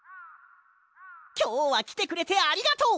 きょうはきてくれてありがとう！